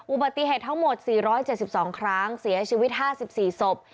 อุบัติเหตุทั้งหมด๔๗๒ครั้งเสียชีวิต๕๔ศพ